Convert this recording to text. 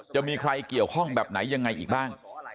จะมีใครเกี่ยวข้องแบบไหนยังไงอีกบ้าง